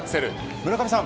村上さん